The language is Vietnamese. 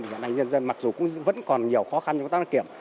thì ngành đăng kiểm mặc dù vẫn còn nhiều khó khăn trong ngành đăng kiểm